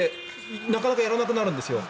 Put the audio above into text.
なかなかやらなくなるんですよ。